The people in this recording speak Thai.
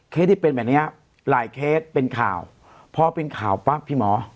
ที่เป็นแบบเนี้ยหลายเคสเป็นข่าวพอเป็นข่าวปั๊บพี่หมอ